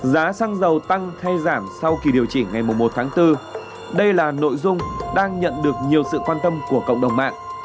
giá xăng dầu tăng hay giảm sau kỳ điều chỉnh ngày một tháng bốn đây là nội dung đang nhận được nhiều sự quan tâm của cộng đồng mạng